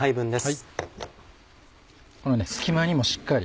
この隙間にもしっかり。